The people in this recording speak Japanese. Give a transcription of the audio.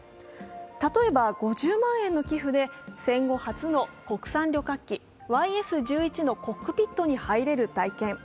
例えば５０万円の寄付で戦後初の国産旅客機、ＹＳ−１１のコックピットに入れる体験